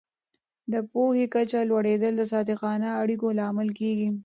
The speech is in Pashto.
د پوهې کچه لوړېدل د صادقانه اړیکو لامل کېږي.